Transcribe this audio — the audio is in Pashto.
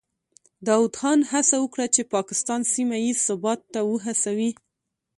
داود خان هڅه وکړه چې پاکستان سیمه ییز ثبات ته وهڅوي.